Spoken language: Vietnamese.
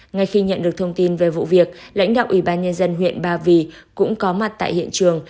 ngay khi nhận được thông tin về vụ việc lãnh đạo ủy ban nhân dân huyện ba vì cũng có mặt tại hiện trường